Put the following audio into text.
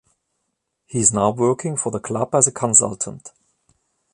He is now working for the club as a consultant.